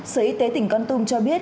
sở y tế tỉnh con tum cho biết